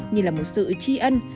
như là một sự chi ân